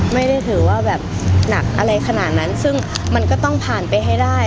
ไม่ได้ถือว่าแบบหนักอะไรขนาดนั้นซึ่งมันก็ต้องผ่านไปให้ได้